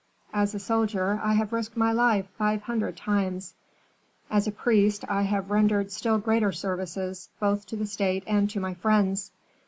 As a soldier, I have risked my life five hundred times; as a priest I have rendered still greater services, both to the state and to my friends.